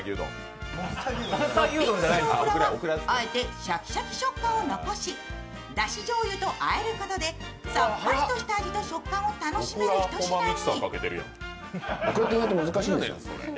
使用するオクラはあえてシャキシャキ食感を残し、だしじょうゆと和えることでさっぱりとした食感を楽しめるひと品に。